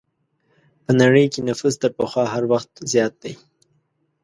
په نړۍ کې نفوس تر پخوا هر وخت زیات دی.